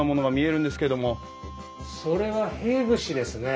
それは幣串ですね。